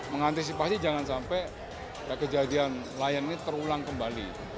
mengantisipasi jangan sampai kejadian layan ini terulang kembali